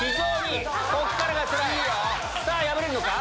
さぁ破れるのか？